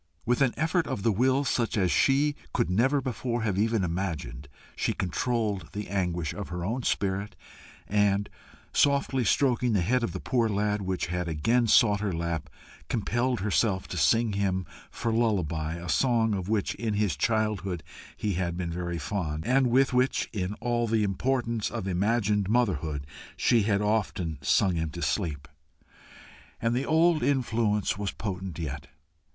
With an effort of the will such as she could never before have even imagined, she controlled the anguish of her own spirit, and, softly stroking the head of the poor lad, which had again sought her lap, compelled herself to sing him for lullaby a song of which in his childhood he had been very fond, and with which, in all the importance of imagined motherhood, she had often sung him to sleep. And the old influence was potent yet.